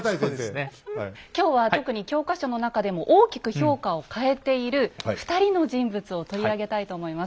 今日は特に教科書の中でも大きく評価を変えている２人の人物を取り上げたいと思います。